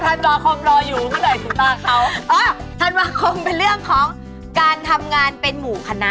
อ่ะธันวคมเป็นเรื่องของการทำงานเป็นหมู่คณะ